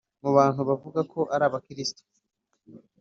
mu bantu bavuga ko ari Abakristo